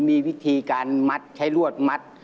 มีวิธีการมัดใช้รวดมัด